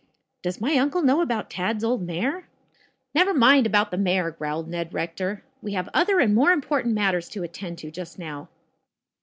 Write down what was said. Does my uncle know about Tad's old mare?" "Never mind about the mare," growled Ned Rector. "We have other and more important matters to attend to just now."